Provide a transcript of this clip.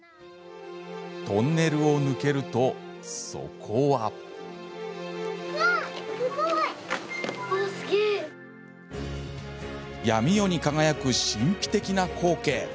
トンネルを抜けるとそこは闇夜に輝く神秘的な光景。